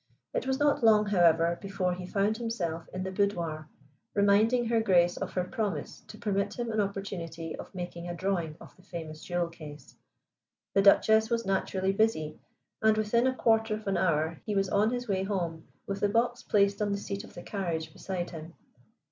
It was not long, however, before he found himself in the boudoir, reminding Her Grace of her promise to permit him an opportunity of making a drawing of the famous jewel case. The Duchess was naturally busy, and within a quarter of an hour he was on his way home with the box placed on the seat of the carriage beside him.